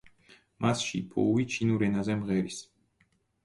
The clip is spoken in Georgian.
მასში ბოუი ჩინურ ენაზე მღერის.